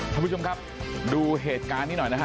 ท่านผู้ชมครับดูเหตุการณ์นี้หน่อยนะฮะ